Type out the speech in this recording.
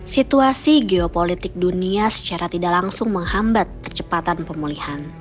situasi geopolitik dunia secara tidak langsung menghambat percepatan pemulihan